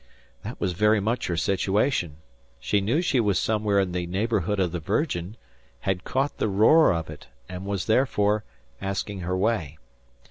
That was very much her situation. She knew she was somewhere in the neighbourhood of the Virgin, had caught the roar of it, and was, therefore, asking her way.